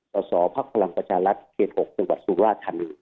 ต่อสอบภักดิ์พลังประชารัฐเกษตร์๖จังหวัดสุราชธรรมิ